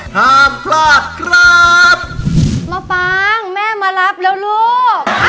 ห้ามพลาดครับมาฟังแม่มารับแล้วลูก